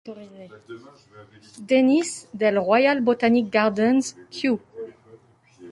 Dennis del Royal Botanic Gardens, Kew.